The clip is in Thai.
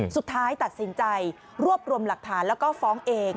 สุดท้ายตัดสินใจรวบรวมหลักฐานแล้วก็ฟ้องเอง